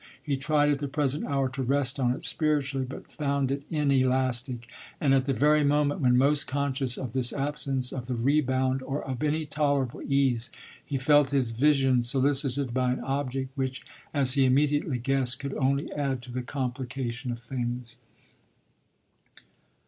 He tried at the present hour to rest on it spiritually, but found it inelastic; and at the very moment when most conscious of this absence of the rebound or of any tolerable ease he felt his vision solicited by an object which, as he immediately guessed, could only add to the complication of things.